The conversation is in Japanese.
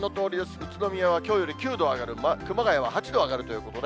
宇都宮はきょうより９度上がる、熊谷は８度上がるということで、